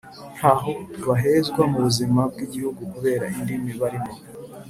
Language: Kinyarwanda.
ntaho bahezwa mu buzima bw Igihugu kubera idini barimo